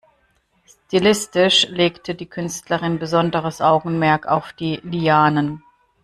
Stilistisch legte die Künstlerin besonderes Augenmerk auf die Lianen.